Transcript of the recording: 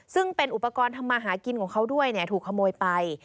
ซึ่งเป็นอุปกรณ์ทำมาหากินของเขาด้วยถูกขโมยไป